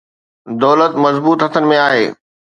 دولت مضبوط هٿن ۾ آهي.